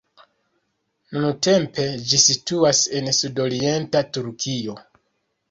Nuntempe ĝi situas en sudorienta Turkio.